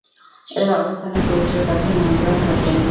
এ অবস্থানে পুরুষের কাছে নিয়ন্ত্রণ থাকে।